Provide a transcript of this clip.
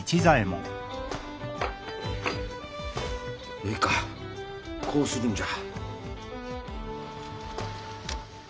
よいかこうするんじゃ。